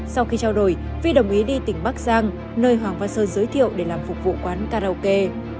sau khi trao đổi vi đồng ý đi tỉnh bắc giang nơi hoàng văn sơn giới thiệu để làm phục vụ quán karaoke